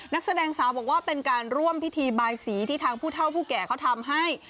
นักแสดงสาวบอกว่าเป็นการร่วมพิธีบายสีที่ทางผู้เท่าผู้แก่เขาทำให้